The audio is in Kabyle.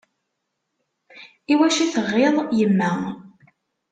I wacu i teɣɣiḍ yemma?